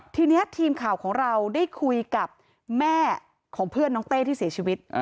ทีนี้ทีมข่าวของเราได้คุยกับแม่ของเพื่อนน้องเต้ที่เสียชีวิต